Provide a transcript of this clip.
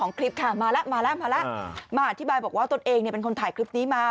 ของคลิปค่ะมาแล้วมาอธิบายบอกว่าตัวเองเป็นคนถ่ายคลิปนี้มา